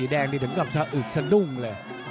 แดงเดี๋ยวมันกลับสะอึกสะดุ้งเลย